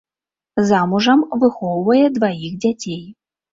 Замужам, выхоўвае дваіх дзяцей.